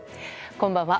こんばんは。